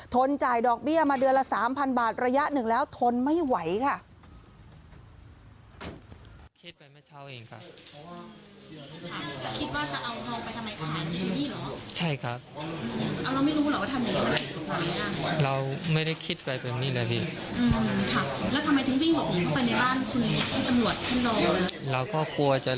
นจ่ายดอกเบี้ยมาเดือนละ๓๐๐บาทระยะหนึ่งแล้วทนไม่ไหวค่ะ